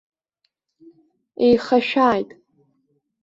Еихашәааит!